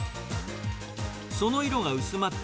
その色が薄まった